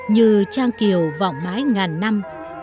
như trang kiều vọng mãi ngàn năm